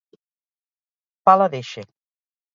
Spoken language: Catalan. Pala d'Eixe.